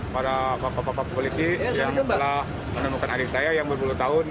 para bapak bapak polisi yang telah menemukan adik saya yang berpuluh tahun